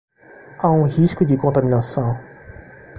Há um risco de contaminação